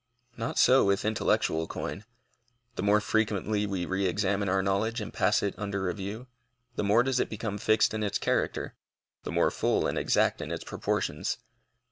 Not so with intellectual coin. The more frequently we re examine our knowledge and pass it under review, the more does it become fixed in its character, the more full and exact in its proportions.